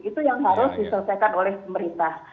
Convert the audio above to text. itu yang harus diselesaikan oleh pemerintah